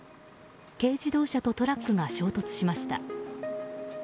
軽自動車とトラックが衝突しました。